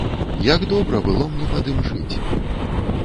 Як добра было мне пад ім жыць!